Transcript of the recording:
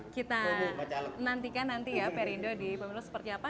kita nantikan nanti ya perindo di pemilu seperti apa